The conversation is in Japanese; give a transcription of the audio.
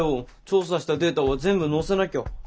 調査したデータは全部載せなきゃ。